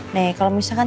nih kalau misalkan